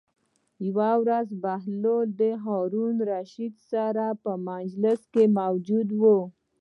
یوه ورځ بهلول د هارون الرشید سره په مجلس کې موجود و.